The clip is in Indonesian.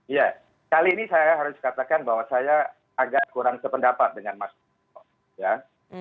iya kali ini saya harus katakan bahwa saya agak kurang sependapat dengan mas